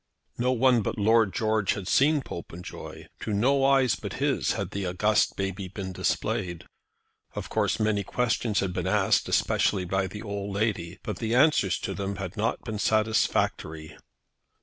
No one but Lord George had seen Popenjoy. To no eyes but his had the august baby been displayed. Of course many questions had been asked, especially by the old lady, but the answers to them had not been satisfactory.